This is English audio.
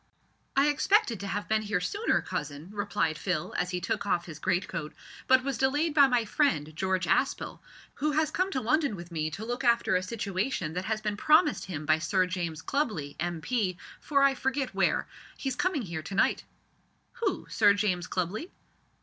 "I expected to have been here sooner, cousin," replied Phil, as he took off his greatcoat, "but was delayed by my friend, George Aspel, who has come to London with me to look after a situation that has been promised him by Sir James Clubley, M.P. for I forget where. He's coming here to night." "Who, Sir James Clubley?"